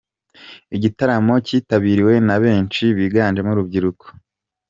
Igitaramo kitabiriwe na benshi biganjemo urubyiruko.